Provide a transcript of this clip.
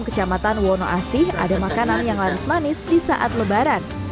kecamatan wonoasih ada makanan yang laris manis di saat lebaran